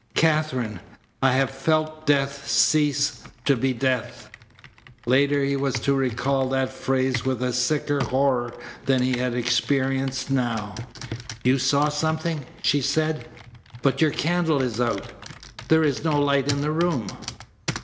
"Katherine! I have felt death cease to be death." Later he was to recall that phrase with a sicker horror than he experienced now. "You saw something!" she said. "But your candle is out. There is no light in the room."